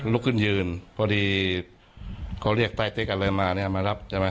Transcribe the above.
ลุกขึ้นยืนพอดีเขาเรียกใต้เต๊กอะไรมาเนี่ยมารับใช่ไหม